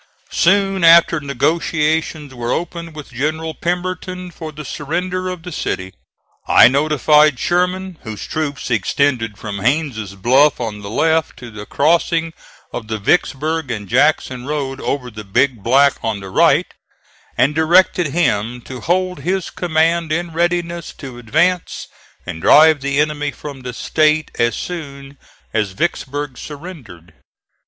Soon after negotiations were opened with General Pemberton for the surrender of the city, I notified Sherman, whose troops extended from Haines' Bluff on the left to the crossing of the Vicksburg and Jackson road over the Big Black on the right, and directed him to hold his command in readiness to advance and drive the enemy from the State as soon as Vicksburg surrendered.